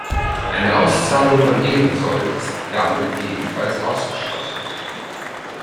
Eine Auszahlung von Ehrensold ist damit ebenfalls ausgeschlossen.